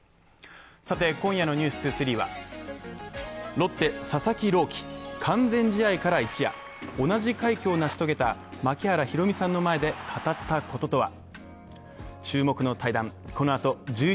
今夜の「ｎｅｗｓ２３」は、ロッテ・佐々木朗希、完全試合から一夜、同じ快挙を成し遂げた槙原寛己さんの前で語ったこととは。